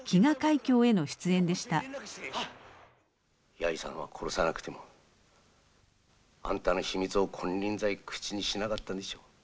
八重さんは殺さなくてもあんたの秘密を金輪際口にしなかったでしょう。